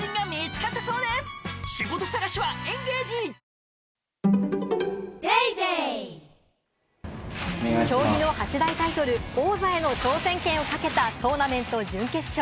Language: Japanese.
ニトリ将棋の八大タイトル、王座への挑戦権をかけたトーナメント準決勝。